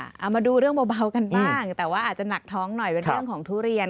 เอามาดูเรื่องเบากันบ้างแต่ว่าอาจจะหนักท้องหน่อยเป็นเรื่องของทุเรียน